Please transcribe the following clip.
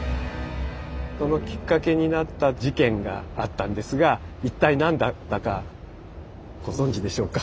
そのきっかけになった事件があったんですが一体何だったかご存じでしょうか？